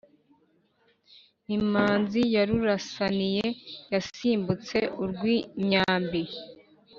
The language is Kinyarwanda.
Imanzi yarurasaniye yasimbutse urwimyambi